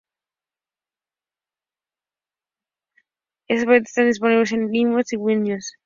Estas variantes están disponibles en Windows y Linux.